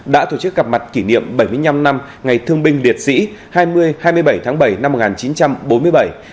đã tổ chức gặp mặt kỷ niệm bảy mươi năm năm ngày thương binh liệt sĩ hai mươi hai mươi bảy tháng bảy năm một nghìn chín trăm bốn mươi bảy hai mươi bảy tháng bảy năm hai nghìn hai mươi hai